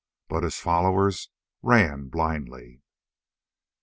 But his followers ran blindly.